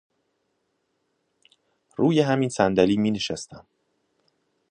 روی همین صندلی می نشستم.